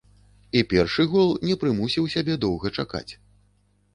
І першы гол не прымусіў сябе доўга чакаць.